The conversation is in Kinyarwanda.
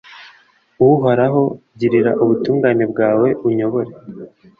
uhoraho, girira ubutungane bwawe, unyobore